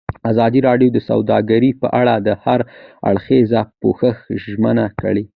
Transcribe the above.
ازادي راډیو د سوداګري په اړه د هر اړخیز پوښښ ژمنه کړې.